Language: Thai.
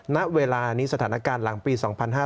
ณเวลานี้สถานการณ์หลังปี๒๕๕๙